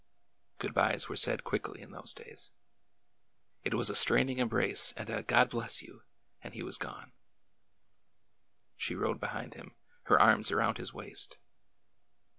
Good bys were said quickly in those days. It was a straining embrace and a " God bless you !" and he was gone. She rode behind him, her arms around his waist.